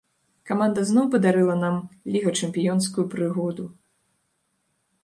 Каманда зноў падарыла нам лігачэмпіёнскую прыгоду.